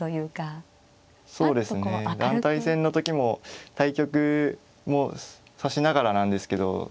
そうですね団体戦の時も対局も指しながらなんですけど